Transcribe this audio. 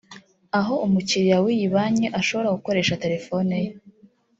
aho umukiriya w’iyi banki ashobora gukoresha terefoni ye